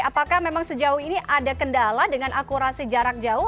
apakah memang sejauh ini ada kendala dengan akurasi jarak jauh